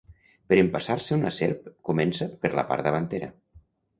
Per empassar-se una serp, comença per la part davantera.